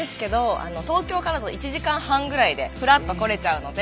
東京から１時間半ぐらいでふらっと来れちゃうので。